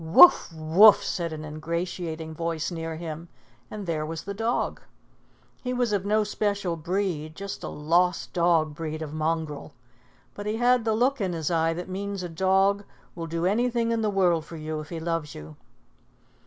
"Woof! Woof!" said an ingratiating voice near him, and there was the dog. He was of no special breed, just a lost dog breed of mongrel, but he had the look in his eye that means a dog will do anything in the world for you if he loves you.